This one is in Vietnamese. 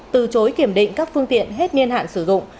từ chối kiểm định các phương tiện hết niên hạn sử dụng